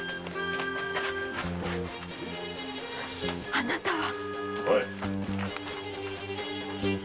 あなたは！